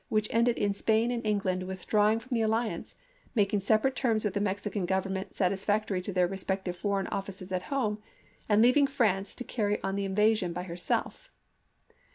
which ended in Spain and England withdrawing from the alliance, making separate terms with the Mexican Government satisfactory to their respective foreign offices at home, and leaving France to carry on the invasion by herself.